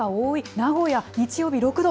名古屋、日曜日６度。